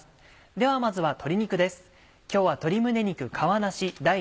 ではまずは鶏肉です。